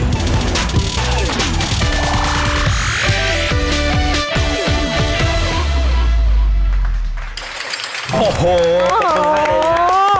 โอ้โฮเป็นต้องหายเลยนะ